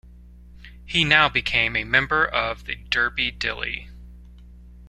He now became a member of the Derby Dilly.